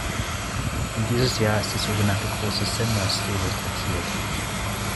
In dieses Jahr ist die sogenannte "große Semna-Stele" datiert.